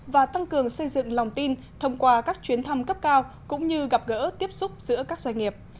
và tăng cường xây dựng lòng tin thông qua các chuyến thăm cấp cao cũng như gặp gỡ tiếp xúc giữa các doanh nghiệp